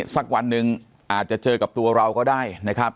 สักวันหนึ่งอาจจะเจอกับตัวเราก็ได้นะครับ